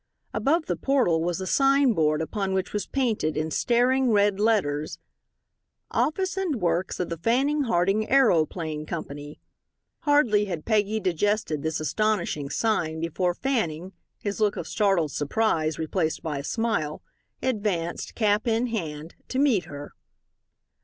Above the portal was a signboard upon which was painted in staring red letters: "Office and Works of the Fanning Harding Aeroplane Co." Hardly had Peggy digested this astonishing sign before Fanning, his look of startled surprise replaced by a smile, advanced, cap in hand, to meet her.